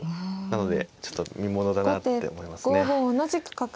なのでちょっと見ものだなって思いますね。